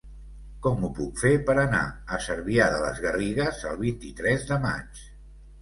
Com ho puc fer per anar a Cervià de les Garrigues el vint-i-tres de maig?